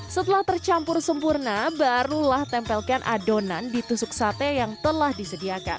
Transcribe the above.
setelah tercampur sempurna barulah tempelkan adonan di tusuk sate yang telah disediakan